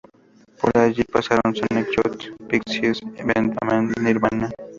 Por allí pasaron Sonic Youth, Pixies, Pavement o Nirvana.